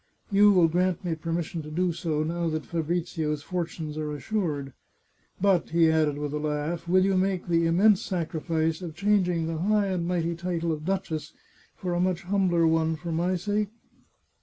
You will grant me per mission to do so, now that Fabrizio's fortunes are assured. But," he added, with a laugh, " will you make the immense sacrifice of changing the high and mighty title of duchess for a much humbler one, for my sake?